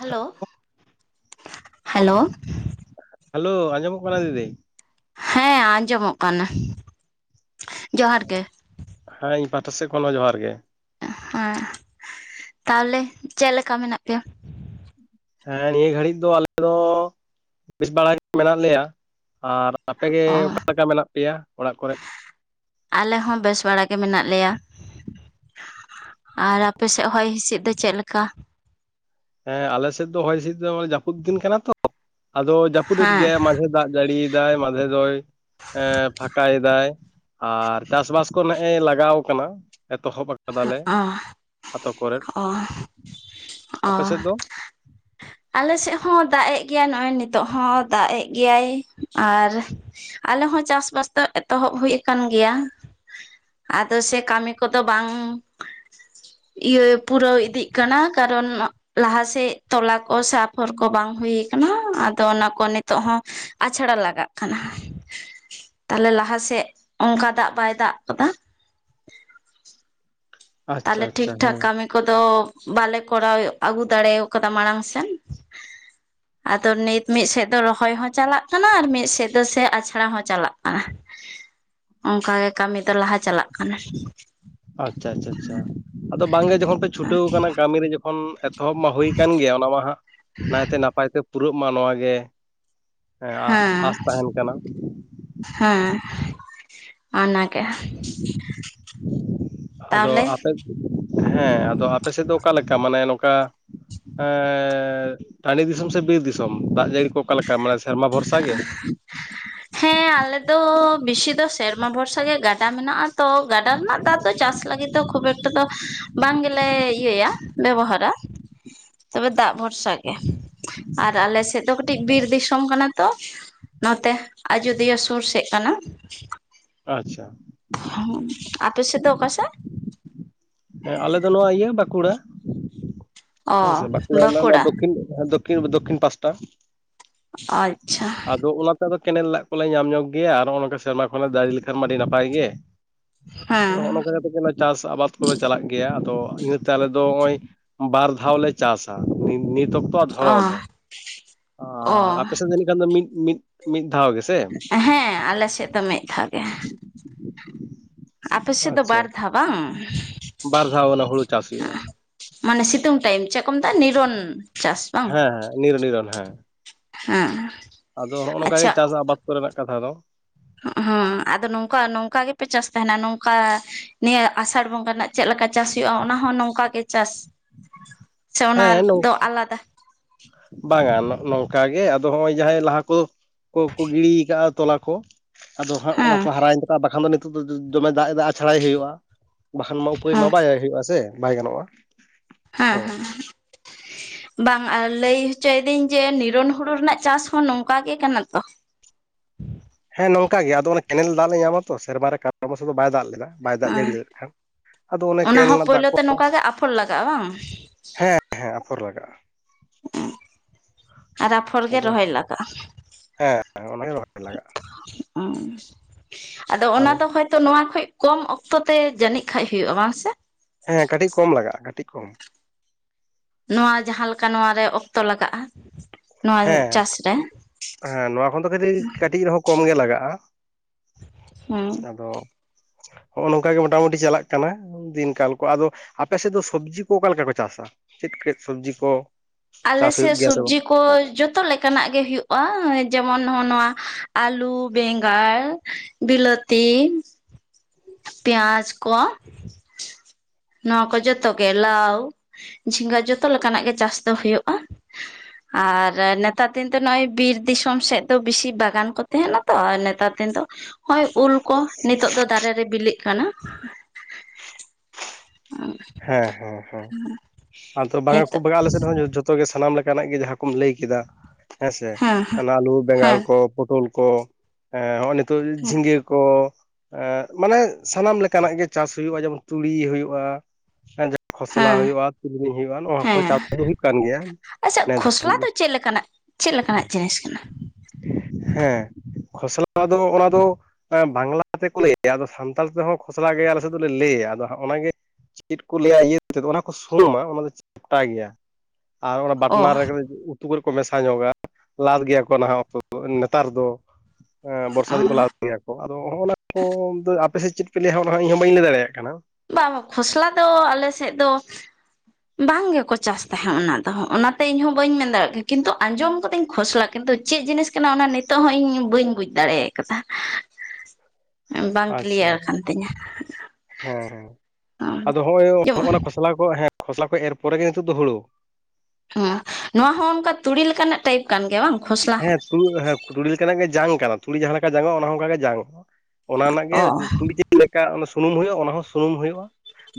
Hello hello hello ᱟᱸᱡᱚᱢᱚᱜ ᱠᱟᱱᱟ ᱫᱤᱫᱤ ᱦᱮᱸ ᱟᱸᱡᱚᱢᱚᱜ ᱠᱟᱱᱟ ᱾ᱡᱚᱦᱟᱨ ᱜᱮ ᱦᱮᱸ ᱤᱧ ᱯᱟᱦᱴᱟ ᱥᱮᱫ ᱠᱷᱚᱱ ᱦᱚᱸ ᱡᱚᱦᱟᱨ ᱜᱮ ᱦᱮᱸ ᱛᱟᱦᱚᱞᱮ ᱪᱮᱫ ᱞᱮᱠᱟ ᱢᱮᱱᱟᱜ ᱯᱮᱭᱟ? ᱦᱮᱸ ᱱᱤᱭᱟᱹ ᱜᱷᱟᱹᱲᱤᱡ ᱫᱚ ᱟᱞᱮ ᱫᱚ ᱵᱮᱥ ᱵᱟᱲᱟ ᱜᱮ ᱢᱮᱱᱟᱜ ᱞᱮᱭᱟ ᱟᱨ ᱟᱯᱮᱜᱮ ᱚ ᱚᱠᱟᱞᱮ ᱞᱮᱠᱟ ᱢᱮᱱᱟᱜ ᱯᱮᱭᱟ ᱚᱲᱟᱜ ᱠᱚᱨᱮᱫ? ᱟᱞᱮ ᱦᱚᱸ ᱵᱮᱥ ᱵᱟᱲᱟ ᱜᱮ ᱢᱮᱱᱟᱜ ᱞᱮᱭᱟ ᱟᱨ ᱟᱯᱮ ᱥᱮᱫ ᱦᱚᱭ ᱦᱤᱸᱥᱤᱫ ᱫᱚ ᱪᱮᱫᱞᱮᱠᱟ ᱦᱮᱸ ᱟᱞᱮ ᱥᱮᱫ ᱫᱚ ᱦᱚᱭ ᱦᱤᱸᱥᱤᱫ ᱫᱚ ᱡᱟᱹᱯᱩᱫ ᱫᱤᱱ ᱠᱟᱱᱟ ᱛᱚ ᱟᱫᱚ ᱡᱟᱹᱯᱩᱫ ᱮᱫ ᱦᱮᱸ ᱜᱮᱭᱟᱭ ᱢᱟᱡᱷᱮ ᱫᱟᱜ ᱡᱟᱹᱲᱤᱭᱮᱫᱟᱭ ᱢᱟᱫᱷᱮ ᱫᱚᱭ ᱮᱸᱻ ᱯᱷᱟᱴᱟᱭᱮᱫᱟᱭ ᱟᱨ ᱪᱟᱥᱵᱟᱥ ᱠᱚ ᱱᱮᱜ-ᱮ ᱞᱟᱜᱟᱣ ᱠᱟᱱᱟ ᱮᱛᱚᱦᱚᱵ ᱟᱠᱟᱫᱟᱞᱮ ᱚ ᱟᱛᱳ ᱠᱚᱨᱮ ᱚ ᱚ ᱟᱯᱮ ᱥᱮᱫ ᱫᱚ ᱟᱞᱮ ᱥᱮᱫ ᱦᱚᱸ ᱫᱟᱜᱼ ᱮᱜ ᱜᱮᱭᱟᱭ ᱱᱚᱜᱼᱚᱭ ᱱᱤᱛᱚᱜ ᱦᱚᱸ ᱫᱟᱜ ᱮᱜ ᱜᱮᱭᱟᱭ ᱟᱨ ᱟᱞᱮ ᱦᱚᱸ ᱪᱟᱥᱵᱟᱥ ᱫᱚ ᱮᱛᱚᱦᱚᱵ ᱦᱩᱭ ᱠᱟᱱ ᱜᱮᱭᱟ ᱟᱫᱚ ᱥᱮ ᱠᱟᱹᱢᱤ ᱠᱚᱫᱚ ᱵᱟᱝ ᱤᱭᱟᱹ ᱯᱩᱨᱟᱹᱣ ᱤᱫᱤᱜ ᱠᱟᱱᱟ ᱠᱟᱨᱚᱱ ᱞᱟᱦᱟᱥᱮᱫ ᱛᱚᱞᱟ ᱚ ᱥᱟᱯᱷᱚᱨ ᱠᱚ ᱵᱟᱝ ᱦᱩᱭ ᱠᱟᱱᱟ ᱟᱫᱚ ᱚᱱᱟ ᱠᱚ ᱱᱤᱛᱚᱜ ᱦᱚᱸ ᱟᱪᱷᱲᱟ ᱞᱟᱜᱟᱜ ᱠᱟᱱᱟ ᱛᱟᱞᱦᱮ ᱞᱟᱦᱟ ᱥᱮᱫ, ᱚᱝᱠᱟ ᱫᱟᱜ ᱵᱟᱭ ᱫᱟᱜ ᱠᱟᱫᱟ ᱟᱪᱪᱷᱟ ᱛᱟᱦᱞᱮ ᱴᱷᱤᱠ ᱟᱪᱪᱷᱟ ᱴᱷᱟᱠ ᱦᱮᱸ ᱠᱟᱹᱢᱤ ᱠᱚᱫᱚᱻ ᱵᱟᱞᱮ ᱠᱚᱨᱟᱣ, ᱟᱹᱜᱩ ᱫᱟᱲᱮᱣ ᱠᱟᱫᱟ ᱢᱟᱲᱟᱝ ᱥᱮᱱ ᱟᱫᱚ ᱱᱤᱛ ᱢᱤᱫ ᱥᱮᱫ ᱫᱚ ᱨᱚᱦᱚᱭ ᱦᱚᱸ ᱪᱟᱞᱟᱜ ᱠᱟᱱᱟ ᱟᱨ ᱢᱤᱫ ᱥᱮᱫ ᱫᱚ ᱥᱮ ᱟᱪᱷᱲᱟ ᱦᱚᱸ ᱪᱟᱞᱟᱜ ᱠᱟᱱᱟ ᱚᱝᱠᱟ ᱜᱮ ᱠᱟᱹᱢᱤ ᱫᱚ ᱞᱟᱦᱟ ᱪᱟᱞᱟᱜ ᱠᱟᱱᱟ ᱟᱪᱪᱷᱟ ᱟᱪᱪᱷᱟ ᱟᱪᱪᱷᱟ ᱟᱫᱚ ᱵᱟᱝᱜᱮ ᱡᱚᱠᱷᱚᱱ ᱯᱮ ᱪᱷᱩᱴᱟᱹᱣ ᱟᱠᱟᱱᱟ ᱠᱟᱹᱢᱤᱨᱮ ᱡᱚᱠᱷᱚᱱ ᱚᱱ ᱮᱛᱚᱦᱚᱵ ᱢᱟ ᱦᱩᱭ ᱠᱟᱱᱟᱱ ᱜᱮᱭᱟ ᱚᱱᱟ ᱢᱟ ᱦᱟᱸᱜ ᱱᱟᱭᱛᱮ ᱱᱟᱯᱟᱭ ᱛᱮ ᱯᱩᱨᱟᱹᱜ ᱢᱟ ᱱᱚᱣᱟ ᱜᱮ ᱦᱮᱸ ᱟᱸᱥ ᱛᱟᱦᱮᱱ ᱠᱟᱱᱟ ᱦᱮᱸ ᱚᱱᱟᱜᱮ [unintelligible] ᱟᱫᱚ ᱛᱟᱦᱚᱞᱮ ᱟᱯᱮ ᱦᱮᱸ ᱟᱫᱚ ᱟᱯᱮ ᱥᱮᱫ ᱫᱚ ᱚᱠᱟᱮ ᱞᱮᱠᱟ ᱢᱟᱱᱮ ᱱᱚᱝᱠᱟ ᱮᱸᱻ ᱴᱟᱺᱰᱤ ᱫᱤᱥᱚᱢ ᱥᱮ ᱵᱤᱨ ᱫᱤᱥᱚᱢ ᱫᱟᱜ ᱡᱟᱹᱲᱤ ᱠᱚ ᱚᱠᱟᱞᱮᱠᱟ ᱢᱟᱱᱮ ᱥᱮᱨᱢᱟ ᱵᱷᱚᱨᱥᱟ ᱜᱮ ᱦᱮᱸ ᱟᱞᱮ ᱫᱚ ᱵᱮᱥᱤ ᱫᱚ ᱥᱮᱨᱢᱟ ᱵᱷᱚᱨᱥᱟ ᱜᱮ ᱜᱟᱰᱟ ᱢᱮᱱᱟᱜᱼᱟ ᱛᱚ ᱜᱟᱰᱟ ᱨᱮᱱᱟᱜ ᱫᱟᱜ ᱫᱚ ᱪᱟᱥ ᱞᱟᱹᱜᱤᱫ ᱫᱚ ᱠᱷᱩᱵ ᱮᱠ ᱮᱠᱴᱟ ᱫᱚ ᱵᱟᱝ ᱜᱮᱞᱮ ᱤᱭᱟᱹᱭᱟ ᱵᱮᱵᱚᱦᱟᱨᱟ ᱛᱚᱵᱮ ᱫᱟᱜ ᱵᱷᱚᱨᱥᱟᱜᱮ ᱟᱨ ᱟᱞᱮ ᱥᱮᱫ ᱫᱚ ᱠᱟᱹᱴᱤᱡ ᱵᱤᱨ ᱫᱤᱥᱚᱢ ᱠᱟᱱᱟ ᱛᱚ ᱱᱚᱛᱮ, ᱟᱡᱚᱫᱤᱭᱟᱹ ᱥᱩᱨ ᱥᱮᱫ ᱠᱟᱱᱟ ᱟᱪᱪᱷᱟ ᱟᱯᱮ ᱥᱮᱫ ᱫᱚ ᱚᱠᱟ ᱥᱮᱫ ᱦᱮᱸ ᱟᱞᱮ ᱫᱚ ᱱᱚᱣᱟ ᱤᱭᱟᱹ ᱵᱟᱸᱠᱩᱲᱟ ᱚ ᱦᱮᱸ ᱵᱟᱸᱠᱩᱲᱟ ᱨᱮᱱᱟᱜ ᱫᱚᱠᱷᱤᱱ ᱫᱚ ᱫᱚ ᱫᱚᱠᱠᱷᱤᱱ ᱯᱟᱥᱴᱟ, ᱟᱪᱪᱷᱟ ᱟᱫᱚ ᱚᱱᱟ ᱟᱫᱚ ᱠᱮᱱᱮᱞ ᱫᱟᱜ ᱠᱚᱞᱮ ᱧᱟᱢ ᱧᱚᱜ ᱜᱮᱭᱟ ᱟᱨ ᱱᱚᱜᱼᱚ ᱱᱚᱝᱠᱟ ᱥᱮᱨᱢᱟ ᱠᱷᱚᱱᱮ ᱫᱟᱜ ᱞᱮᱠᱷᱟᱱ ᱢᱟ ᱟᱹᱰᱤ ᱱᱟᱯᱟᱭ ᱜᱮ ᱟᱫᱚ ᱦᱮᱸ ᱦᱚᱸᱜᱼᱚ ᱱᱚᱝᱠᱟ ᱠᱟᱛᱮ ᱜᱮ ᱚᱱᱟ ᱪᱟᱥ ᱟᱵᱟᱫ ᱠᱚᱞᱮ ᱪᱟᱞᱟᱜ ᱜᱮᱭᱟ, ᱟᱫᱚ ᱤᱱᱟᱹᱛᱮ ᱟᱞᱮ ᱫᱚ ᱦᱚᱸᱜ-ᱚᱭ ᱵᱟᱨ ᱫᱷᱟᱣᱞᱮ ᱪᱟᱥᱟ ᱱᱤᱛᱚ ᱱᱤᱛᱚᱜ ᱫᱷᱟᱣ ᱚ ᱨᱮ ᱚ ᱟᱨ ᱟᱯᱮ ᱥᱮᱫ ᱡᱟᱹᱱᱤ ᱠᱷᱟᱱ ᱫᱚ ᱢᱤᱫ, ᱢᱤᱫ, ᱢᱤᱫ ᱫᱷᱟᱣ ᱜᱮᱥᱮ ᱦᱮᱸᱻ ᱟᱞᱮ ᱥᱮᱫ ᱫᱚ ᱢᱤᱫ ᱫᱷᱟᱣ ᱜᱮ᱾ ᱟᱯᱮ ᱥᱮᱫ ᱫᱚ ᱟᱪᱪᱷᱟ ᱵᱟᱨ ᱫᱷᱟᱣ, ᱵᱟᱝ? ᱵᱟᱨ ᱫᱷᱟᱣ ᱚᱱᱟ ᱦᱩᱲᱩ ᱪᱟᱥ ᱦᱩᱭᱩᱜᱼᱟ ᱢᱟᱱᱮ ᱥᱤᱛᱩᱝ ᱴᱟᱭᱤᱢ, ᱪᱮᱫ ᱠᱚ ᱢᱮᱛᱟᱜᱼᱟ ᱱᱤᱨᱚᱱ? ᱪᱟᱥ ᱵᱟᱝ ᱦᱮᱸ ᱦᱮᱸ ᱱᱤᱨᱻ ᱱᱤᱨᱚᱱ ᱦᱮᱸ ᱦᱮᱸ ᱟᱫᱚ ᱱᱚᱜᱼᱚᱭ ᱱᱚᱝᱠᱟ ᱜᱮ ᱪᱟᱥ ᱟᱵᱟᱫ ᱠᱚᱨᱮᱱᱟᱜ ᱠᱟᱛᱷᱟ ᱫᱚ ᱦᱮᱸᱻ ᱟᱫᱚ ᱱᱚᱝᱠᱟ ᱱᱚᱝᱠᱟ ᱜᱮᱯᱮ ᱪᱟᱥ ᱛᱟᱦᱮᱱᱟ ᱱᱚᱝᱠᱟ ᱱᱤᱭᱟᱹ ᱟᱥᱟᱲ ᱵᱚᱸᱜᱟ ᱨᱮᱱᱟᱜ ᱪᱮᱫ ᱞᱮᱠᱟ ᱪᱟᱥ ᱦᱩᱭᱩᱜᱼᱟ ᱚᱱᱟ ᱦᱚᱸ ᱱᱚᱝᱠᱟ ᱜᱮ ᱪᱟᱥ, ᱥᱮ ᱚᱱᱟ ᱦᱮᱸ ᱱᱚᱝ ᱫᱚ ᱟᱞᱟᱫᱟ? ᱵᱟᱝᱟ ᱱᱚᱜ ᱱᱚᱝᱠᱟ ᱜᱮ ᱟᱫᱚ ᱦᱚᱸᱜᱼᱚᱭ ᱡᱟᱦᱟᱸᱭ ᱞᱟᱦᱟ ᱠᱚ, ᱠᱚ ᱜᱤᱲᱤᱭᱠᱟᱜᱼᱟ ᱛᱚᱞᱟ ᱠᱚ, ᱟᱫᱚ ᱦᱟᱸᱜ ᱚᱱᱟ ᱠᱚ ᱦᱮᱸ ᱦᱟᱨᱟᱭᱮᱱ ᱛᱮ ᱵᱟᱠᱷᱟᱱ ᱫᱚ ᱱᱤᱛᱚᱜ ᱫᱚ ᱫᱚᱢᱮᱭ ᱫᱟᱜ ᱮᱫᱟ ᱟᱪᱷᱟᱲᱟᱭ ᱦᱩᱭᱩᱜᱼᱟ ᱵᱟᱠᱷᱟᱱ ᱢᱟ ᱩᱯᱟᱹᱭ ᱦᱮᱸ ᱢᱟ ᱵᱟᱭ ᱦᱩᱭᱩᱜᱼᱟ ᱥᱮ ᱵᱟᱭ ᱜᱟᱱᱚᱜᱼᱟ ᱦᱮᱸ ᱦᱚᱸ ᱦᱮᱸ ᱦᱮᱸ ᱵᱟᱝ ᱟᱨ ᱞᱟᱹᱭ ᱦᱚᱪᱚᱭᱤᱫᱤᱧ ᱡᱮᱻ ᱱᱤᱨᱚᱱ ᱦᱩᱲᱩ ᱨᱮᱱᱟᱜ ᱪᱟᱥ ᱦᱚᱸ ᱱᱚᱝᱠᱟᱜ ᱜᱮ ᱠᱟᱱᱟ ᱛᱚ ᱦᱮᱸ ᱱᱚᱝᱠᱟ ᱜᱮ ᱟᱫᱚ ᱚᱱᱟ ᱠᱮᱱᱮᱞ ᱫᱟᱜ ᱞᱮ ᱧᱟᱢᱟ ᱛᱚ, ᱥᱮᱨᱢᱟ ᱨᱮ ᱠᱟᱨᱚᱱ ᱵᱚᱥᱚᱛᱚ ᱵᱟᱭ ᱫᱟᱜ ᱞᱮᱫᱟ ᱵᱟᱭ ᱫᱟᱜ ᱡᱟᱹᱲᱤ ᱦᱮᱸ ᱞᱮᱫ ᱠᱷᱟᱱ ᱟᱫᱚ ᱚᱱᱮ ᱠᱮᱱᱮᱞ ᱨᱮᱱᱟᱜ ᱫᱟᱜ ᱠᱚ ᱯᱷᱳᱞ ᱞᱟᱜᱟᱜᱼᱟ ᱵᱟᱝ ᱦᱮᱸ ᱦᱮᱸ ᱟᱯᱷᱚᱨ ᱞᱟᱜᱟᱜᱼᱟ ᱦᱮᱸ ᱟᱨ ᱟᱯᱷᱚᱨ ᱜᱮ ᱟᱫᱚ ᱨᱚᱦᱚᱭ ᱦᱮᱸ ᱚᱱᱟᱜᱮ ᱨᱚᱦᱚᱭ ᱞᱟᱜᱟᱜᱼᱟ ᱞᱟᱜᱟᱜᱼᱟ᱾ ᱟᱫᱚ ᱚᱱᱟ ᱫᱚ ᱦᱚᱭ ᱱᱚᱶᱟ ᱠᱷᱚᱡ ᱠᱚᱢ ᱚᱠᱛᱚ ᱛᱮ, ᱡᱟᱹᱱᱤᱡ ᱠᱷᱟᱡ ᱦᱩᱭᱩᱜᱼᱟ ᱵᱟᱝ ᱥᱮ? ᱦᱮᱸ ᱠᱟᱹᱴᱤᱡ ᱠᱚᱢ ᱞᱟᱜᱟᱜᱼᱟ, ᱠᱟᱴᱤᱡ ᱠᱚᱢ᱾ ᱱᱚᱶᱟ ᱡᱟᱦᱟᱸ ᱞᱮᱠᱟ ᱱᱚᱶᱟ ᱨᱮ ᱚᱠᱛᱚ ᱞᱟᱜᱟᱜᱼᱟ᱾ ᱱᱚᱣᱟ ᱦᱮᱸ ᱪᱟᱥ ᱨᱮ ᱦᱮᱸ ᱱᱚᱶᱟ ᱠᱷᱚᱱ ᱫᱚ ᱠᱟᱹᱴᱤᱡ ᱨᱮᱦᱚᱸ ᱠᱚᱢ ᱜᱮ ᱞᱟᱜᱟᱜᱼᱟ, ᱦᱮᱸ ᱟᱫᱚ ᱱᱚᱸᱜᱼᱚᱭ ᱱᱚᱝᱠᱟ ᱜᱮ ᱢᱚᱴᱟᱢᱩᱴᱤ ᱪᱟᱞᱟᱜ ᱠᱟᱱᱟ᱾ ᱫᱤᱱ ᱠᱟᱞ ᱠᱚ, ᱟᱫᱚ ᱟᱯᱮ ᱥᱮᱫ ᱫᱚ ᱥᱚᱵᱽᱡᱤ ᱠᱚ ᱚᱠᱟ ᱞᱮᱠᱟ ᱠᱚ ᱪᱟᱥᱟ, ᱪᱮᱫ ᱪᱮᱫ ᱥᱚᱵᱽᱡᱤ ᱠᱚ? ᱪᱟᱥ ᱦᱩᱭᱩᱜ ᱟᱞᱮᱥᱮᱫ ᱜᱮᱭᱟ ᱥᱮ ᱵᱟᱝ ᱥᱚᱵᱡᱤ ᱠᱚ ᱠᱚ ᱡᱚᱛᱚ ᱞᱮᱠᱟᱱᱟᱜ ᱜᱮ ᱦᱩᱭᱩᱜᱼᱟ ᱡᱮᱢᱚᱱ ᱱᱚᱣᱟ ᱟᱹᱞᱩ ᱵᱮᱸᱜᱟᱲ ᱵᱤᱞᱚᱛᱤ ᱯᱮᱸᱭᱟᱡ ᱠᱚ ᱱᱚᱣᱟ ᱠᱚ ᱡᱚᱛ ᱜᱮ ᱞᱟᱣ ᱡᱷᱤᱸᱜᱟᱹ, ᱡᱚᱛᱚ ᱞᱮᱠᱟᱱᱟᱜ ᱜᱮ ᱪᱟᱥ ᱫᱚ ᱦᱩᱭᱩᱜᱼᱟ᱾ ᱟᱨ ᱱᱮᱛᱟᱨ ᱫᱤᱱ ᱫᱚ ᱱᱚᱜ ᱚᱚᱭ ᱵᱤᱨ ᱫᱤᱥᱚᱢ ᱥᱮᱫ ᱫᱚ ᱵᱤᱥᱤ ᱵᱟᱜᱟᱱ ᱠᱚ ᱛᱟᱦᱮᱱᱟ᱾ ᱛᱚ ᱱᱮᱛᱟᱨ ᱫᱤᱱ ᱫᱚ, ᱦᱳᱭ ᱩᱞ ᱠᱚ ᱱᱤᱛᱚᱜ ᱫᱚ ᱫᱟᱨᱮ ᱨᱮ ᱵᱤᱞᱤᱜ ᱠᱟᱱᱟ᱾ ᱦᱮᱸ ᱦᱮᱸ ᱦᱮᱸ ᱟᱫᱚ ᱵᱟᱝ ᱠᱷᱩ ᱦᱮᱸᱛᱚᱜ ᱵᱟᱝ ᱟᱞᱮ ᱥᱮᱫ ᱦᱚᱸᱡᱚᱛᱚ ᱡᱚ ᱥᱟᱱᱟᱢ ᱞᱮᱠᱟᱱᱟᱜ ᱜᱮ ᱡᱟᱦᱟᱸ ᱠᱚᱢ ᱞᱟᱹᱭ ᱠᱮᱫᱟ, ᱦᱮᱸᱥᱮ ᱦᱮᱸ ᱚᱱᱟ ᱟᱹᱞᱩ ᱵᱮᱸᱜᱟᱲ ᱦᱮᱸ ᱠᱚ ᱯᱚᱴᱚᱞ ᱠᱚ ᱠᱚ, ᱦᱮᱸ ᱱᱚᱸᱜᱼᱚᱭ ᱱᱤᱛᱚᱜ ᱡᱷᱤᱸᱜᱟᱹ ᱠᱚᱻ ᱢᱟᱱᱮ, ᱥᱟᱱᱟᱢ ᱞᱮᱠᱟ ᱱᱟᱜ ᱜᱮ ᱪᱟᱥ ᱦᱩᱭᱩᱜᱼᱟ ᱡᱮᱢᱚᱱ ᱛᱩᱲᱤ ᱦᱩᱭᱩᱜᱼᱟ ᱡᱟᱦᱟᱸ ᱠᱚ ᱥᱟᱞᱟ ᱦᱮᱸ ᱦᱦᱩᱭᱩᱜᱼᱟ, ᱛᱤᱞᱤ ᱦᱩᱭᱩᱜ ᱟ, ᱱᱚᱣᱟ ᱠᱚᱦᱚᱸ ᱪᱟᱥ ᱦᱩᱭᱩᱜ ᱠᱟᱱ ᱜᱮᱭᱟ ᱟᱪᱷᱟ ᱱᱮ ᱫᱷᱟᱣ ᱠᱷᱚᱥᱞᱟ ᱫᱚ ᱪᱮᱫ ᱞᱮᱠᱟᱱᱟᱜ? ᱪᱮᱫ ᱞᱮᱠᱟᱱᱟᱜ ᱡᱤᱱᱤᱥ ᱠᱟᱱᱟ? ᱦᱮᱸ ᱠᱷᱚᱥᱞᱟ ᱫᱚ, ᱚᱱᱟ ᱫᱚ ᱵᱟᱝᱞᱟ ᱛᱮᱠᱚ ᱞᱟᱹᱭᱟ ᱟᱫᱚ ᱥᱟᱱᱛᱟᱲ ᱛᱮᱦᱚᱸ ᱠᱷᱚᱥᱞᱟ ᱜᱮ ᱟᱞᱮ ᱥᱮᱫ ᱫᱚᱞᱮ ᱞᱟᱹᱭᱟ ᱟᱫᱚᱜ ᱚᱱᱟᱜᱮ ᱪᱮᱫ ᱠᱚ ᱞᱟᱹᱭᱟ ᱤᱭᱟᱹᱮᱫᱚ ᱚᱱᱟ ᱠᱚ ᱥᱩᱱᱩᱢᱟ ᱚᱱᱟ ᱫᱚ ᱪᱟᱯᱴᱟ ᱜᱮᱭᱟ ᱟᱨ ᱚᱱᱟ ᱚ ᱵᱟᱴᱱᱟ ᱨᱮ ᱛᱩ ᱠᱚᱨᱮ ᱠᱚ ᱢᱮᱥᱟ ᱧᱚᱜᱟ ᱞᱟᱫ ᱜᱮᱭᱟ ᱠᱚ ᱱᱟᱦᱟᱜ ᱚᱠᱛᱚ ᱫᱚ ᱱᱮᱛᱟᱨ ᱫᱚ ᱵᱚᱨᱥᱟ ᱫᱤᱱ ᱚ ᱠᱚ ᱞᱟ ᱟᱫᱚ ᱦᱚᱸᱜᱼ ᱚᱱᱟ ᱠᱚ ᱫᱚ ᱟᱯᱮᱥᱮᱫ ᱪᱮᱫ ᱯᱮ ᱞᱟᱹᱭᱟ ᱤᱧ ᱦᱚᱸ ᱵᱟᱹᱧ ᱞᱟᱹᱭ ᱫᱟᱲᱮᱭᱟᱜ ᱠᱟᱱᱟ ᱵᱟᱝ ᱠᱷᱚᱥᱞᱟ ᱫᱚ ᱟᱞᱮ ᱥᱮᱫ ᱫᱚ ᱵᱟᱝ ᱜᱮᱠᱚ ᱪᱟᱥ ᱛᱟᱦᱮᱸᱫ ᱚᱱᱟ ᱫᱚ ᱚᱱᱟᱛᱮ ᱤᱧᱦᱚ ᱵᱟᱹᱧ ᱢᱮᱱ ᱫᱟᱲᱮᱭᱟᱜ ᱜᱮᱭᱟ ᱠᱤᱱᱛᱩ ᱟᱸᱡᱚᱢ ᱠᱟᱹᱫᱟᱧ ᱠᱷᱚᱥᱞᱟ ᱠᱤᱱᱛᱩ ᱪᱮᱫ ᱡᱤᱱᱤᱥ ᱠᱟᱱᱟ ᱚᱱᱟ ᱱᱤᱛᱚᱜ ᱦᱚᱸ ᱤᱧ ᱵᱟᱹᱧ ᱵᱩᱡᱽ ᱫᱟᱲᱮ ᱠᱟᱫᱟ ᱵᱟᱝ ᱟᱪᱪᱷᱟ ᱠᱞᱤᱭᱟᱨ ᱟᱠᱟᱱ ᱛᱤᱧᱟᱹ ᱦᱮᱸ ᱦᱮᱸ ᱟᱫᱚ ᱦᱚᱜᱼᱚᱭ ᱱᱚᱜ ᱡᱮᱢᱚᱱ ᱱᱚᱣᱟ ᱠᱷᱚᱥᱞᱟ ᱠᱚ ᱦᱮᱸ ᱠᱷᱚᱥᱞᱟ ᱠᱚ ᱮᱨ ᱯᱚᱨᱮ ᱜᱮ ᱱᱤᱛᱚᱜ ᱫᱚ ᱦᱩᱲᱩ ᱦᱮᱸ ᱱᱚᱣᱟ ᱦᱚᱸ ᱚᱱᱠᱟ ᱛᱩᱲᱤ ᱞᱮᱠᱟᱱᱟᱜ ᱴᱟᱭᱤᱯ ᱠᱟᱱ ᱜᱮᱭᱟ ᱵᱟᱝ ᱠᱷᱚ ᱦᱮᱸ ᱛᱩᱲ ᱦᱮᱸ ᱛᱩᱲᱤ ᱞᱮᱠᱟᱱᱟᱜ ᱜᱮ ᱡᱟᱝ ᱠᱟᱱᱟ ᱛᱩᱲᱤ ᱡᱟᱦᱟᱸ ᱞᱮᱠᱟ ᱡᱟᱝᱚᱜᱼᱟ ᱚᱱᱟ ᱦᱚᱸ ᱚᱱᱠᱟᱜ ᱜᱮ ᱡᱟᱝᱚᱜᱼᱟ ᱚᱱᱟ ᱨᱮᱱᱟᱜ ᱜᱮ ᱚ ᱛᱩᱤ ᱪ ᱞᱮᱠᱟ ᱥᱩᱱᱩᱢ ᱦᱩᱭᱩᱜᱼᱟ ᱚᱱᱟ ᱦᱚᱸ ᱥᱩᱱᱩᱢ ᱦᱩᱭᱩᱜᱼᱟ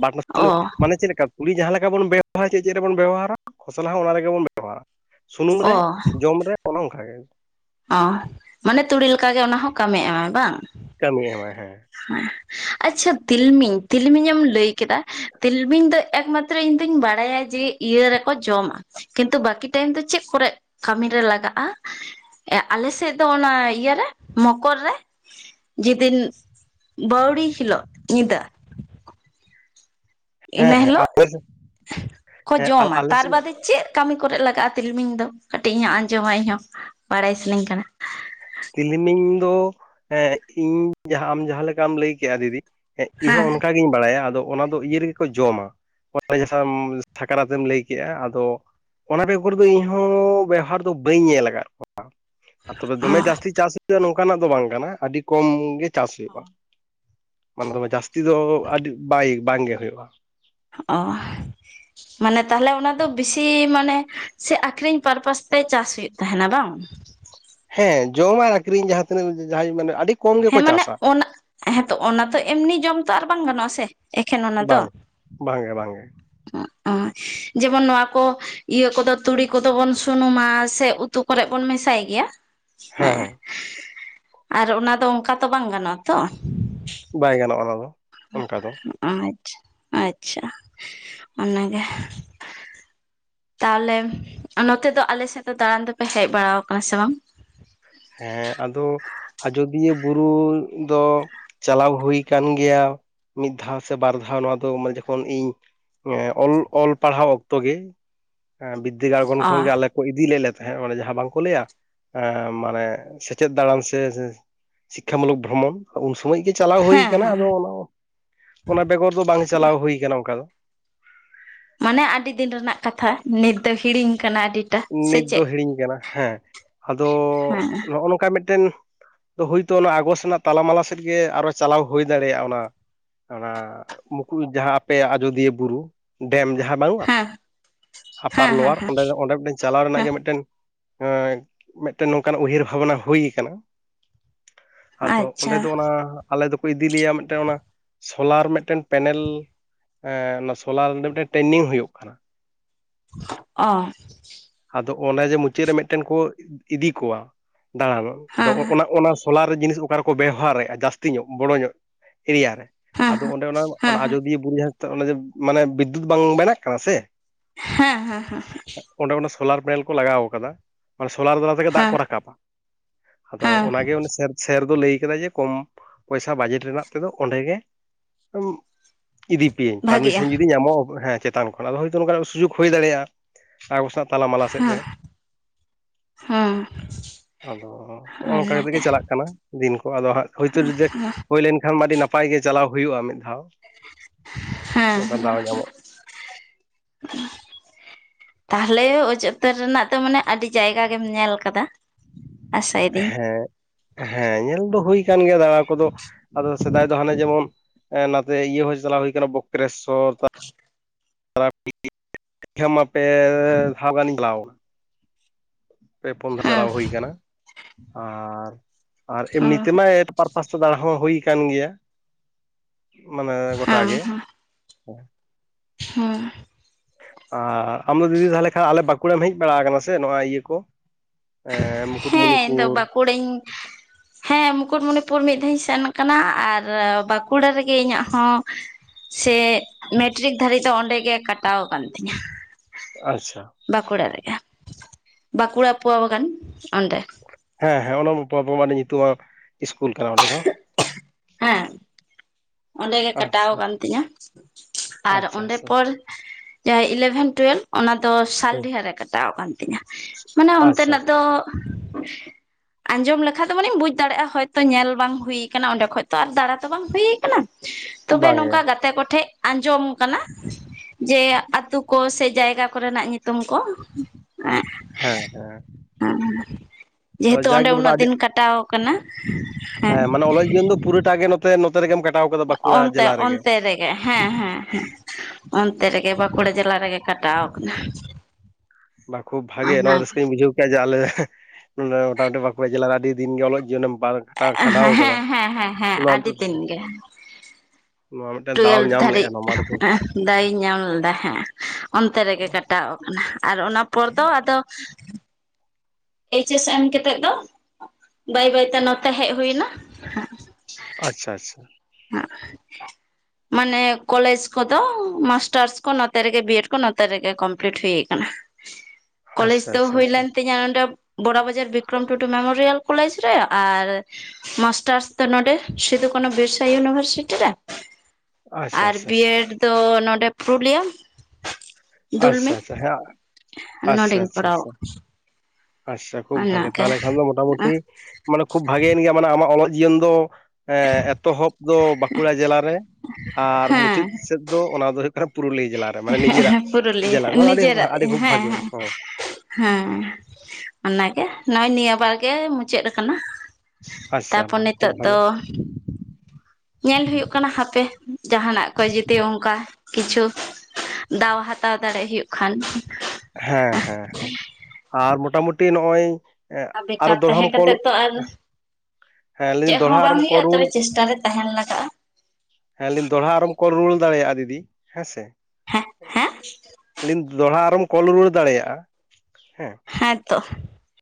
ᱵᱟᱴᱱᱟᱩ [unintelligible] ᱞ ᱚ ᱢᱟᱱᱮ ᱪᱮᱫ ᱞᱮᱠᱟ ᱩᱲᱤ ᱡᱟᱦᱟᱸ ᱞᱮᱠᱟ ᱵᱚᱱ ᱵᱮᱵᱚᱦᱟᱨᱟ ᱪᱮᱫ ᱪᱮᱫ ᱨᱮᱵᱚᱱ ᱵᱮᱵᱚᱦᱟᱨᱟ ᱯᱷᱚᱥᱞᱟ ᱦᱚᱸ ᱚᱱᱟ ᱞᱟᱹᱜᱤᱫᱵᱚᱱ ᱵᱮᱵᱚᱦᱟᱨᱟ ᱥᱩᱱᱩᱢ ᱨᱮ ᱚ ᱡᱚᱢ ᱨᱮ ᱚᱱᱮ ᱚᱱᱠᱟ ᱜᱮ ᱚ ᱢᱟᱱᱮ ᱛᱩᱲᱤ ᱞᱮᱠᱟᱜᱮ ᱚᱱᱟ ᱦᱚᱸ ᱠᱟᱹᱢᱤ ᱮᱢᱟᱭ ᱵᱟᱝ ᱠᱟᱹᱢᱤ ᱮᱢᱟ ᱦᱮᱸ ᱦᱮᱸ ᱟᱪᱪᱷᱟ ᱛᱤᱞᱢᱤᱧ ᱛᱤᱞᱢᱤᱧ ᱮᱢ ᱞᱟᱹᱭ ᱠᱮᱫᱟ ᱛᱤᱞᱢᱤᱧ ᱫᱚ ᱮᱠᱢᱟᱛᱨᱚ ᱤᱧ ᱫᱩᱧ ᱵᱟᱲᱟᱭᱟ ᱡᱮ ᱤᱭᱟᱹ ᱨᱮᱠᱚ ᱡᱚᱢᱟ ᱠᱤᱱᱛᱩ ᱵᱟᱠᱤ ᱴᱟᱭᱤᱢ ᱫᱚ ᱪᱮᱫ ᱠᱚᱨᱮ ᱠᱟᱹᱢᱤᱨᱮ ᱞᱟᱜᱟᱜᱼᱟ ᱟᱞᱮᱥᱮᱜ ᱫᱚ ᱚᱱᱟ ᱤᱭᱟᱹᱨᱮ ᱢᱚᱠᱚᱨ ᱨᱮ ᱡᱮᱛᱮᱤᱱ ᱵᱟᱣᱲᱤ ᱦᱤᱞᱟᱹᱜ ᱧᱤᱫᱟᱹ ᱦᱮᱸ ᱤᱱᱟᱹ ᱦᱮᱸ ᱦᱤᱞᱳᱜ ᱟᱞᱮ ᱥᱮᱫ ᱠᱚ ᱦᱮᱸ ᱡᱚᱢᱟ ᱟᱞᱮ ᱛᱟᱨ ᱥᱮᱱᱟᱜ ᱵᱟᱫᱮ ᱪᱮᱫ ᱠᱟᱹᱢᱤ ᱠᱚᱨᱮᱜ ᱞᱟᱜᱟᱜᱼᱟ ᱛᱤᱞᱢᱤᱧ ᱫᱚ ᱠᱟᱹᱴᱤᱡ ᱤᱧ ᱟᱸᱡᱚᱢᱟ ᱤᱧ ᱦᱚᱸ ᱵᱟᱲᱟᱭ ᱥᱟᱱᱟᱧ ᱠᱟᱱᱟ ᱛᱤᱞᱤᱢᱤᱧ ᱫᱚ ᱮᱸ ᱤᱧ ᱡᱟᱦᱟᱸ ᱟᱢ ᱡᱟᱦᱟᱸ ᱞᱮᱠᱟᱢ ᱞᱟᱹᱭ ᱠᱮᱫᱮᱜᱼᱟ ᱫᱤᱫᱤ ᱤᱧᱦᱚᱸ ᱦᱮᱸ ᱚᱱᱠᱟ ᱜᱤᱧ ᱵᱟᱲᱟᱭᱟ ᱟᱫᱚ ᱚᱱᱟ ᱫᱚ ᱤᱭᱟᱹ ᱨᱮᱜᱮ ᱠᱚ ᱡᱚᱢᱟ [unintelligible] ᱥᱟᱠᱨᱟᱛᱮᱢ ᱞᱟᱹᱭ ᱠᱮᱫᱮᱜᱼᱟ ᱟᱫᱚ ᱚᱱᱟ ᱵᱮᱜᱚᱨ ᱫᱚ ᱤᱧᱦᱚᱸ ᱵᱮᱣᱦᱟᱨ ᱫᱚ ᱵᱟᱹᱧ ᱧᱮᱞ ᱟᱠᱟᱫ ᱠᱚᱣᱟ ᱛᱚᱵᱮ ᱚ ᱫᱚᱢᱮ ᱡᱟᱹᱥᱛᱤ ᱪᱟᱥ ᱱᱚᱝᱠᱟᱱᱟᱜ ᱫᱚ ᱵᱟᱝ ᱠᱟᱱᱟ ᱟᱹᱰᱤ ᱠᱚᱢ ᱜᱮ ᱪᱟᱥ ᱦᱩᱭᱩᱜᱼᱟ ᱢᱟᱱᱮ ᱫᱚᱢᱮ ᱡᱟᱹᱥᱛᱤ ᱫᱚ ᱟᱹᱰᱤ ᱵᱟᱭ ᱵᱟᱝᱜᱮ ᱦᱩᱭᱩᱜᱼᱟ ᱚ ᱢᱟᱱᱮ ᱛᱟᱦᱚᱞᱮ ᱚᱱᱟ ᱫᱚ ᱵᱤᱥᱤ ᱢᱟᱱᱮ ᱥᱮ ᱟᱠᱷᱨᱤᱧ ᱯᱟᱨᱯᱟᱥ ᱛᱮ ᱪᱟᱥ ᱦᱩᱭᱩᱜ ᱛᱟᱦᱮᱱᱟ ᱵᱟᱝ ᱦᱮᱸ ᱡᱚᱢ ᱟᱨ ᱟᱠᱷᱨᱤᱧ ᱡᱟᱦᱟᱸ ᱛᱤᱱᱟᱹᱜ ᱢᱟᱱᱮ ᱟᱹᱰᱤ ᱠᱚᱢ ᱜᱮᱠᱚ ᱦᱮᱸ ᱢᱟᱱᱮ ᱪᱟᱥᱟ ᱚᱱᱟ ᱦᱮᱸᱛᱚ ᱚᱱᱟ ᱛᱚ ᱮᱢᱱᱤ ᱡᱚᱢ ᱛᱚ ᱟᱨ ᱵᱟᱝ ᱜᱟᱱᱚᱜ-ᱟ ᱥᱮ ᱮᱠᱷᱮᱱ ᱚᱱᱟ ᱫᱚ ᱵᱟᱝ ᱵᱟᱝᱜᱮ ᱵᱟᱝᱜᱮ [unintelligible] ᱡᱮᱢᱚᱱ ᱱᱚᱣᱟ ᱠᱚ ᱤᱭᱟᱹ ᱠᱚᱫᱚ ᱛᱩᱲᱤ ᱠᱚᱫᱚ ᱵᱚᱱ ᱥᱩᱱᱩᱢᱟ ᱥᱮ ᱩᱛᱩ ᱠᱚᱨᱮ ᱵᱚᱱ ᱢᱮᱥᱟᱭ ᱜᱮᱭᱟ ᱦᱮᱸ ᱦᱮᱸ ᱟᱨ ᱚᱱᱟ ᱫᱚ ᱚᱱᱠᱟ ᱛᱚ ᱵᱟᱝ ᱜᱟᱱᱚᱜᱼᱟ ᱛᱚ ᱵᱟᱭ ᱜᱟᱱᱚᱜᱼᱟ ᱚᱱᱟ ᱫᱚ ᱚᱱᱠᱟ ᱫᱚ ᱟᱪᱪᱷᱟ ᱟᱪᱪᱷᱟ ᱚᱱᱟᱜᱮ ᱛᱟᱦᱚᱞᱮ ᱱᱚᱛᱮ ᱫᱚ ᱟᱞᱮᱮᱥᱮᱫ ᱫᱚ ᱫᱟᱬᱟᱱ ᱫᱚᱯᱮ ᱦᱮᱡ ᱵᱟᱲᱟ ᱟᱠᱟᱱᱟ ᱥᱮ ᱵᱟᱝ ᱦᱮᱸ ᱟᱫᱚ ᱟᱡᱫᱤᱭᱟᱹ ᱵᱩᱨᱩ ᱫᱚ ᱪᱟᱞᱟᱣ ᱦᱩᱭ ᱠᱟᱱ ᱜᱮᱭᱟ ᱢᱤᱫ ᱫᱷᱟᱣ ᱥᱮ ᱵᱟᱨ ᱫᱷᱟᱣ ᱱᱚᱣᱟ ᱫᱚ ᱢᱟᱱᱮ ᱡᱚᱠᱷᱚᱱ ᱤᱧ‌ ᱚᱞ ᱚᱞ ᱯᱟᱲᱦᱟᱣ ᱚᱠᱛᱚ ᱜᱮ ᱵᱤᱫᱽᱫᱟᱹᱜᱟᱲ ᱜᱚᱱ ᱚ ᱠᱷᱚᱱᱜᱮ ᱟᱞᱮ ᱠᱚ ᱤᱫᱤ ᱞᱮᱫ ᱞᱮ ᱛᱟᱦᱮᱸᱫ ᱢᱟᱱᱮ ᱡᱟᱦᱟᱸ ᱵᱟᱝᱠᱚ ᱞᱟᱹᱭᱟ ᱮ ᱢᱟᱱᱮ ᱥᱮᱪᱮᱫ ᱫᱟᱬᱟᱱ ᱥᱮ ᱥᱤᱠᱷᱟ ᱢᱩᱞᱚᱠ ᱵᱷᱨᱚᱢᱚᱱ ᱩᱱ ᱥᱚᱢᱚᱭ ᱜᱮ ᱪᱟᱞᱟᱣ ᱦᱩᱭ ᱦᱮᱸ ᱟᱠᱟᱱᱟ ᱟᱫᱚ ᱚᱱᱟ ᱚᱱᱟ ᱵᱮᱜᱚᱨ ᱫᱚ ᱵᱟᱝ ᱪᱟᱞᱟᱣ ᱦᱩᱭ ᱟᱠᱟᱱᱟ ᱚᱱᱠᱟ ᱫᱚ ᱢᱟᱱᱮ ᱟᱹᱰᱤ ᱫᱤᱱ ᱨᱮᱱᱟᱜ ᱠᱟᱛᱷᱟ ᱱᱤᱛ ᱫᱚ ᱦᱤᱲᱤᱧ ᱠᱟᱱᱟ ᱟᱹᱰᱤ ᱱᱤᱛ ᱫᱚ ᱦᱤᱲᱤᱧ ᱠᱟᱱᱟ ᱦᱮᱸ ᱟᱫᱚ ᱦᱮᱸ ᱱᱚᱜᱼᱚ ᱱᱚᱝᱠᱟ ᱢᱤᱫ ᱴᱮᱱ ᱛᱚ ᱦᱳᱭᱛᱳ ᱚᱱᱟ ᱟᱜᱚᱥᱴ ᱨᱮᱱᱟᱜ ᱛᱟᱞᱟᱢᱟᱞᱟ ᱥᱮᱫ ᱜᱮ ᱟᱨᱚ ᱪᱟᱞᱟᱣ ᱦᱩᱭ ᱫᱟᱲᱮᱭᱟᱜᱼᱟ ᱚᱱᱟ ᱚᱱᱟ ᱢᱩᱠᱩ ᱡᱟᱦᱟᱸ ᱟᱯᱮ ᱟᱡᱚᱫᱤᱭᱟᱹ ᱵᱩᱨᱩ ᱰᱮᱢ ᱡᱟᱦᱟᱸ ᱵᱟᱹᱱᱩᱜᱼᱟ ᱦᱮᱸ ᱟᱯᱟᱨ ᱦᱮᱸ ᱞᱳᱣᱟᱨ ᱦᱮᱸ ᱚᱸᱰᱮ ᱫᱚ ᱚᱸᱰᱮ ᱢᱤᱫᱴ ᱪᱟᱞᱟᱣ ᱨᱮᱱᱟᱜ ᱦᱮᱸ ᱜᱮ ᱢᱤᱫᱴᱮᱱ ᱢᱤᱫ ᱴᱮᱱ ᱱᱚᱝᱠᱟᱱ ᱩᱭᱦᱟᱹᱨ ᱵᱷᱟᱵᱱᱟ ᱦᱩᱭ ᱟᱠᱟᱱᱟ ᱟᱫᱚ ᱟᱪᱪᱷᱟ ᱚᱸᱰᱮ ᱫᱚ ᱚᱱᱟ ᱟᱞᱮ ᱫᱚᱠᱚ ᱤᱫᱤᱞᱮᱭᱟ ᱢᱤᱫ ᱴᱮᱱ ᱚᱱᱟ ᱥᱳᱞᱟᱨ ᱢᱤᱫ ᱴᱮᱱ ᱯᱮᱱᱮᱞ ᱚᱱᱟ ᱥᱳᱞᱟᱨ ᱢᱤᱫ ᱴᱮᱱ ᱴᱨᱮᱱᱤᱝ ᱦᱩᱭᱩᱜ ᱠᱟᱱᱟ ᱚ ᱟᱫᱚ ᱚᱱᱮ ᱡᱮ ᱢᱩᱪᱟᱹᱫ ᱨᱮ ᱢᱤᱫᱴᱮᱱ ᱠᱚ ᱤᱫᱤ ᱠᱚᱣᱟ ᱫᱟᱬᱟᱱ ᱟᱫᱚ ᱦᱮᱸ ᱦᱮᱸ ᱚᱱᱟ ᱚᱱᱟ ᱦᱚᱞᱟ ᱨᱮ ᱡᱤᱱᱤᱥ ᱚᱠᱟ ᱨᱮᱠᱚ ᱵᱮᱣᱦᱟᱨᱮᱫᱼᱟ ᱡᱟᱹᱥᱛᱤ ᱧᱚᱜ ᱵᱚᱲᱚ ᱧᱚᱜ ᱮᱨᱤᱭᱟ ᱨᱮ ᱦᱮᱸ ᱟᱫᱚ ᱚᱸᱰᱮ ᱦᱮᱸ ᱚᱱᱟ ᱦᱮᱸ ᱟᱡᱚᱫᱤᱭᱟᱹ ᱵᱩᱨᱩᱤ ᱦᱟᱸᱥᱫᱟ ᱚᱱ ᱢᱟᱱᱮ ᱵᱤᱫᱽᱫᱩᱛ ᱵᱟᱝ ᱵᱮᱱᱟᱜ ᱠᱟᱱᱟ ᱥᱮ ᱦᱮᱸ ᱦᱮᱸ ᱦᱮᱸ ᱚᱸᱰᱮ ᱚᱱᱟ ᱥᱳᱞᱟᱨ ᱯᱮᱱᱮᱞ ᱠᱚ ᱞᱟᱜᱟᱣ ᱠᱟᱫᱟ ᱢᱟᱱᱮ ᱥᱳᱞᱟᱨ ᱫᱞᱟ ᱛᱮᱜᱮ ᱫᱟᱜ ᱦᱮᱸ ᱠᱚ ᱨᱟᱠᱟᱵᱟ ᱟᱫᱚ ᱦᱮᱸ ᱚᱱᱟᱜᱮ ᱥᱮᱨ ᱞᱟᱹᱭ ᱠᱟᱫᱟ ᱡᱮ ᱠᱚᱢ ᱯᱚᱭᱥᱟ ᱵᱟᱡᱮᱴ ᱨᱮᱱᱟᱜ ᱛᱮᱫᱚ ᱚᱸᱰᱮ ᱜᱮ ᱤᱫᱤ ᱯᱮᱭᱟᱹᱧ ᱵᱷᱟᱜᱤᱜᱼᱟ ᱯᱟᱨᱢᱤᱥᱮᱱ ᱡᱩᱫᱤ ᱧᱟᱢᱚᱜᱼᱟ ᱦᱮᱸ ᱪᱮᱫ? ᱪᱮᱛᱟᱱ ᱠᱷᱚᱱ ᱟᱫᱚ ᱦᱳᱭᱛᱳ ᱱᱟᱜ ᱥᱩᱡᱳᱜᱽ ᱦᱩᱭ ᱫᱟᱲᱮᱭᱟᱜᱼᱟ ᱟᱵᱚ ᱥᱮᱱᱟᱜ ᱛᱟᱞᱟᱢᱟᱞᱟ ᱥᱮᱫ ᱨᱮ ᱦᱮᱸ ᱟᱫᱚ ᱦᱚᱸᱜᱼᱚ ᱱᱚᱝᱠᱟ ᱠᱟᱛᱮᱜ ᱚᱱᱟᱜᱮ ᱜᱮ ᱪᱟᱞᱟᱜ ᱠᱟᱱᱟ ᱫᱤᱱ ᱠᱚ ᱟᱫᱚ ᱦᱚᱭᱛᱳ ᱨᱤᱡᱮᱠᱴ ᱦᱩᱭ ᱞᱮᱱᱠᱷᱟᱱ ᱢᱟ ᱟᱹᱰᱤ ᱱᱟᱯᱟᱭ ᱱᱟᱯᱟᱭ ᱜᱮ ᱪᱟᱞᱟᱣ ᱦᱩᱭᱩᱜᱼᱟ ᱢᱤᱫ ᱫᱷᱟᱣ ᱱᱚᱝᱠᱟ ᱫᱟᱣ ᱧᱟᱢᱚᱜ ᱦᱮᱸ ᱛᱟᱦᱚᱞᱮ ᱚᱡ ᱩᱛᱟᱹᱨ ᱨᱮᱱᱟᱜ ᱫᱚ ᱢᱟᱱᱮ ᱟᱹᱰᱤ ᱡᱟᱭᱜᱟ ᱜᱮᱢ ᱧᱮᱞ ᱟᱠᱟᱫᱟ ᱦᱮᱸ ᱦᱮᱸ ᱧᱮᱞ ᱫᱚ ᱦᱩᱭ ᱠᱟᱱ ᱜᱮᱭᱟ ᱫᱟᱬᱟ ᱠᱚᱫᱚ ᱟᱫᱚ ᱥᱮᱫᱟᱭ ᱫᱚ ᱦᱟᱱᱮ ᱡᱮᱢᱚᱱ ᱱᱟᱛᱮ ᱤᱭᱟᱹ ᱦᱚᱸ ᱪᱟᱞᱟᱣ ᱦᱩᱭ ᱠᱟᱱᱟ ᱵᱚᱠᱨᱮᱥᱚᱨ ᱟᱯᱮ [unintelligible] ᱫᱷᱟᱣ ᱜᱟᱱᱤᱧ ᱪᱟᱞᱟᱣ ᱯᱮ ᱯᱩᱱᱫᱷᱟ ᱦᱮᱸ ᱪᱟᱞᱟᱣ ᱦᱩᱭ ᱟᱠᱟᱱᱟ ᱟᱨ ᱟᱨ ᱮᱢᱱᱤ ᱦᱮᱸ ᱛᱮᱢᱟ ᱟᱯᱷᱟᱥᱛᱚ ᱫᱟᱬᱟ ᱦᱚᱸ ᱦᱩᱭ ᱟᱠᱟᱱ ᱜᱮᱭᱟ ᱢᱟᱱᱮ ᱜᱚᱴᱟ ᱦᱮᱸ ᱜᱮ ᱦᱮᱸ ᱦᱮᱸ ᱟᱨ ᱟᱢ ᱫᱚ ᱫᱤᱫᱤ ᱛᱟᱦᱚᱞᱮ ᱠᱷᱟᱱ ᱟᱞᱮ ᱵᱟᱸᱠᱩᱲᱢ ᱦᱮᱡ ᱵᱟᱲᱟ ᱟᱠᱟᱱᱟ ᱥᱮ ᱱᱚᱶᱟ ᱤᱭᱟᱹ ᱠᱚ ᱮᱸ ᱦᱮᱸ ᱤᱧ ᱫᱚ ᱢᱩᱠᱩᱴᱢᱩᱱᱤᱯᱩᱨ ᱵᱟᱸᱠᱩᱲᱟᱧ ᱦᱮᱸ ᱢᱩᱠᱩᱴᱢᱩᱱᱤᱯᱩᱨ ᱢᱤᱫ ᱫᱷᱟᱣ ᱤᱧ ᱥᱮᱱ ᱠᱟᱱᱟ ᱟᱨ ᱵᱟᱸᱠᱩᱲᱟ ᱨᱮᱜᱮ ᱤᱧᱟᱹᱜ ᱦᱚᱸ ᱥᱮ ᱢᱮᱴᱨᱤᱠ ᱫᱷᱟᱹᱨᱤᱡ ᱫᱚ ᱚᱸᱰᱮ ᱜᱮ ᱠᱟᱴᱟᱣ ᱟᱠᱟᱱ ᱛᱤᱧᱟᱹ ᱟᱪᱷᱟ ᱵᱟᱠᱩᱲᱟ ᱨᱮᱜᱮ ᱵᱟᱠᱩᱲᱟ ᱯᱣᱟ ᱵᱟᱜᱟᱱ ᱚᱸᱰᱮ ᱦᱮᱸ ᱦᱮᱸ ᱚᱱᱟ ᱵᱟ ᱧᱩᱛᱩᱢᱟᱱ ᱤᱥᱠᱩᱞ ᱠᱟᱱᱟ ᱚᱸᱰᱮ ᱫᱚ ᱦᱮᱸ ᱚᱸᱰᱮ ᱜᱮ ᱠᱟᱴᱟᱣ ᱟᱪᱪᱷᱟ ᱟᱠᱟᱱ ᱛᱤᱧᱟᱹ ᱟᱨ ᱟᱪᱪᱷᱟ ᱚᱸᱰᱮ ᱟᱪᱪᱷᱟ ᱯᱚᱨ ᱡᱟᱦᱟᱸᱭ ᱤᱞᱮᱵᱷᱮᱱ ᱴᱩᱭᱮᱞᱵᱷ ᱚᱱᱟ ᱫᱚ ᱦᱩᱸ ᱥᱟᱞᱰᱤᱦᱟᱨ ᱨᱮ ᱠᱟᱴᱟᱣ ᱟᱠᱟᱱ ᱛᱤᱧᱟᱹ ᱢᱟᱱᱮ ᱟᱪᱪᱷᱟ ᱚᱱᱛᱮᱱᱟᱜ ᱫᱚ ᱟᱸᱡᱚᱢ ᱞᱮᱠᱷᱟᱡ ᱫᱚ ᱢᱟᱱᱮᱧ ᱵᱩᱡ ᱫᱟᱲᱮᱭᱟᱜᱼᱟ ᱦᱚᱭᱛᱚ ᱧᱮᱞ ᱵᱟᱝ ᱦᱩᱭᱩ ᱟᱠᱟᱱᱟ ᱚᱸᱰᱮ ᱠᱷᱚᱡ ᱛᱚ ᱟᱨ ᱫᱟᱬᱟ ᱛᱚ ᱵᱟᱝ ᱦᱩᱭ ᱟᱠᱟᱱᱟ ᱛᱚᱵᱮ ᱵᱟᱝᱜᱮ ᱱᱚᱝᱠᱟ ᱜᱟᱛᱮ ᱠᱚᱴᱷᱮᱱ ᱟᱸᱡᱚᱢᱠᱟᱱᱟ ᱡᱮ ᱟᱛᱩ ᱠᱚ ᱥᱮ ᱡᱟᱭᱜᱟ ᱠᱚᱨᱮᱱᱟᱜ ᱧᱩᱛᱩᱢ ᱠᱚ ᱦᱮᱸ ᱦᱮᱸ ᱡᱮᱦᱮᱛᱩ ᱚᱸᱰᱮ ᱡᱟᱜᱮ ᱩᱱᱟᱹᱜ ᱢᱟᱱᱮ ᱫᱤᱱ ᱠᱟᱴᱟᱣ ᱠᱟᱱᱟ ᱦᱮᱸ ᱢᱟᱱᱮ ᱚᱞᱚᱜ ᱡᱤᱭᱚᱱ ᱫᱚ ᱯᱩᱨᱟᱹᱴᱟ ᱜᱮ ᱱᱚᱛᱮ ᱨᱮᱜᱮᱢ ᱠᱟᱴᱟᱣ ᱟᱠᱟᱫᱟ ᱵᱟᱠᱩᱲᱟ ᱚᱱᱛᱮ ᱡᱮᱞᱟ ᱨᱮᱜᱮ ᱚᱱᱛᱮ ᱦᱮᱸ ᱦᱮᱸᱦ ᱮᱸ ᱚᱱᱛᱮ ᱨᱮᱜᱮ ᱵᱟᱠᱩᱲᱟ ᱡᱮᱞᱟ ᱨᱮᱜᱮ ᱠᱟᱴᱟᱣ ᱟᱠᱟᱱᱟ ᱵᱟ ᱠᱷᱩᱵ ᱵᱷᱟᱜᱮᱭᱟ ᱱᱚᱶᱟ ᱨᱟᱹᱥᱠᱟᱹᱧᱵᱩᱡᱷᱟᱹᱣᱟ ᱪᱮ ᱡᱮ ᱟᱞᱮ ᱢᱚᱴᱟᱢᱩᱴᱤ ᱵᱟᱠᱩᱲᱟ ᱡᱮᱞᱟ ᱨᱮ ᱟᱹᱰᱤ ᱫᱤᱱ ᱜᱮ ᱚᱞᱚᱜ ᱡᱤᱭᱚᱱᱮᱢ ᱯᱟᱨᱼᱟ ᱮᱜ ᱦᱮᱸ ᱦᱮᱸ ᱦᱮᱸ ᱦᱮᱸ ᱦᱮᱸ ᱟᱹᱰᱤ ᱫᱤᱱ ᱜᱮ ᱱᱚᱣᱟ ᱢᱤᱫᱴᱮᱱ ᱫᱟᱣᱮᱢ ᱴᱩᱭᱮᱞᱵᱷ ᱧᱟᱢ ᱫᱷᱟᱹᱨᱤᱡ ᱞᱮᱫᱼᱟ ᱱᱚᱣᱟ ᱢᱟ ᱟᱹᱰᱤ ᱫᱟᱣᱤᱧ ᱧᱟᱢ ᱞᱮᱫᱟ ᱦᱮᱸ ᱚᱱᱛᱮ ᱨᱮᱜᱮ ᱠᱟᱹᱴᱤᱡ ᱠᱷᱟᱴᱟᱣ ᱠᱟᱱᱟ ᱟᱨ ᱚᱱᱟ ᱯᱚᱨ ᱫᱚ ᱟᱫᱚ ᱮᱭᱤᱪ ᱮᱥ ᱮᱢ ᱠᱟᱛᱮ ᱫᱚ ᱵᱟᱹᱭ ᱵᱟᱹᱭ ᱛᱮ ᱱᱚᱛᱮ ᱦᱮᱡ ᱦᱩᱭ ᱮᱱᱟ ᱟᱪᱷᱟ ᱟᱪᱷᱟ ᱦᱟᱸ ᱢᱟᱱᱮ ᱠᱚᱞᱮᱡᱽ ᱠᱚᱫᱚ ᱢᱟᱥᱴᱟᱨᱥ ᱠᱚ ᱱᱚᱛᱮ ᱨᱮᱜᱮ ᱵᱤᱭᱮᱰ ᱠᱚ ᱱᱚᱛᱮ ᱨᱮᱜᱮ ᱠᱚᱢᱯᱞᱤᱴ ᱦᱩᱭ ᱟᱠᱟᱱᱟ ᱠᱚᱞᱮᱡᱽ ᱟᱪᱪᱷᱟ ᱫᱚ ᱟᱪᱪᱷᱟ ᱟᱪᱪᱷᱟ ᱦᱩᱭᱞᱮᱱ ᱱᱚᱰᱮ ᱵᱚᱲᱟ ᱵᱟᱡᱟᱨ ᱵᱤᱠᱨᱚᱢ ᱴᱩᱰᱩ ᱢᱮᱢᱳᱨᱤᱭᱟᱞ ᱠᱚᱞᱮᱡᱽ ᱨᱮ ᱟᱨ ᱢᱟᱥᱴᱟᱨᱥ ᱛᱚ ᱱᱚᱰᱮ ᱥᱤᱫᱩ ᱠᱟᱱᱩ ᱵᱮᱥ ᱤᱷᱟᱨᱥᱤᱴᱤ ᱨᱮ ᱟᱪᱪᱷᱟ ᱟᱨ ᱟᱪᱪᱷᱟ ᱵᱤᱮᱰ ᱛᱚ ᱱᱚᱸᱰᱮ ᱯᱩᱨᱩᱞᱤᱭᱟᱹ ᱫᱩᱞᱢᱤ ᱟᱪᱪᱷᱟ ᱟᱪᱪᱷᱟ ᱦᱮᱸ ᱟᱪᱪᱷᱟ ᱱᱚᱰᱮᱧ ᱟᱪᱪᱷᱟ ᱠᱚᱨᱟᱣ ᱟᱪᱪᱷᱟ ᱟᱪᱪᱷᱟ ᱠᱷᱩᱵ ᱵᱷᱟᱜᱮ ᱚᱱᱟᱜᱮ ᱛᱟᱦᱚᱞᱮ ᱠᱷᱟᱱ ᱫᱚ ᱢᱳᱴᱟᱢᱩᱴᱤ ᱢᱟᱱᱮ ᱠᱷᱩᱵ ᱵᱷᱟᱜᱮᱭᱮᱱ ᱜᱮᱭᱟ ᱢᱟᱱᱮ ᱟᱢᱟᱜ ᱚᱞᱚᱜ ᱡᱤᱭᱚᱱ ᱫᱚ ᱮᱛᱚᱦᱚᱵ ᱫᱚ ᱵᱟᱸᱠᱩᱲᱟ ᱡᱮᱞᱟ ᱨᱮ ᱟᱨ ᱢᱩᱪᱟᱹᱫ ᱦᱮᱸ ᱥᱮᱫ ᱫᱚ ᱚᱱᱟ ᱫᱚ ᱦᱩᱭᱩᱜ ᱠᱟᱱᱟ ᱯᱩᱨᱩᱞᱤᱭᱟᱹ ᱡᱮᱞᱟᱨᱮ ᱢᱟᱱᱮ ᱱᱤᱡᱮᱨᱟᱜ ᱦᱮᱸ ᱯᱩᱨᱩᱞᱤᱭᱟᱹ ᱡᱮᱞᱟ ᱨᱮ ᱟᱹᱰᱤ ᱱᱤᱡᱮᱨᱟᱜ ᱟᱹᱰᱤ ᱦᱮᱸ ᱠᱷᱩᱵ ᱦᱮᱸ ᱵᱷᱟᱜᱮ ᱦᱚᱸ ᱦᱮᱸ ᱚᱱᱟᱜᱮ ᱱᱚᱜᱼᱚᱭ ᱱᱤᱭᱟᱹ ᱵᱟᱨ ᱜᱮ ᱢᱩᱪᱟᱹᱫ ᱟᱠᱟᱱᱟ ᱟᱪᱪᱷᱟ ᱛᱟᱯᱚᱨ ᱵᱟᱝ ᱠᱷᱩᱵ ᱱᱤᱛᱳᱜ ᱫᱚ ᱵᱷᱟᱜᱮ ᱧᱮᱞ ᱦᱩᱭᱩᱜ ᱠᱟᱱᱟ ᱦᱟᱯᱮ ᱡᱟᱦᱟᱱᱟᱜ ᱠᱚ ᱡᱩᱫᱤ ᱚᱱᱠᱟ ᱠᱤᱪᱷᱩ ᱫᱟᱣ ᱦᱟᱛᱟᱣ ᱫᱟᱲᱮ ᱦᱩᱭᱩᱜ ᱠᱷᱟᱱ ᱦᱮᱸ ᱦᱮᱸ ᱦᱮᱸ ᱟᱨ ᱢᱚᱴᱟ ᱢᱩᱴᱤ ᱱᱚᱜᱼᱚᱭ ᱮᱸ ᱟᱨ ᱟᱨᱚ ᱵᱮᱠᱟᱨ ᱫᱚᱲᱦᱟᱢ ᱛᱟᱦᱮᱸ ᱠᱚᱞ ᱠᱟᱛᱮ ᱛᱚ ᱟᱨ ᱦᱮᱸ ᱞᱟᱹᱭ ᱫᱟᱹᱧ ᱪᱮᱫ ᱦᱚᱸ ᱫᱚᱲᱦᱟ ᱵᱟᱝ ᱟᱨᱚᱢ ᱠᱚᱞ ᱦᱩᱭᱩᱜᱼᱟ ᱛᱚᱵᱮ ᱨᱩᱣᱟᱹᱲ ᱪᱮᱥᱴᱟ ᱨᱮ ᱛᱟᱦᱮᱱ ᱞᱟᱜᱟᱜᱼᱟ ᱦᱮᱸ ᱞᱮᱧ ᱫᱚᱦᱲᱟ ᱟᱨᱚᱢ ᱠᱚᱞ ᱨᱩᱣᱟᱹᱲ ᱫᱟᱲᱮᱭᱟᱜᱼᱟ ᱫᱤᱫᱤ ᱦᱮᱸᱥᱮ [inaudible] ᱟᱹᱞᱤᱧ ᱫᱚᱲᱦᱲᱟ ᱟᱨᱚᱢ ᱠᱚᱞ ᱨᱩᱣᱟᱹᱲ ᱫᱟᱲᱮᱭᱟᱜᱼᱟ ᱦᱮᱸ ᱛᱚ